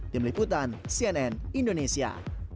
tim liputan cnn indonesia